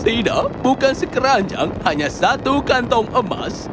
tidak bukan sekeranjang hanya satu kantong emas